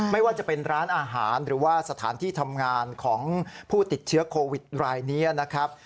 ไม่ว่าจะเป็นร้านอาหารหรือว่าสถานที่ทำงานของผู้ติดเชื้อโควิดรายนี้นะครับ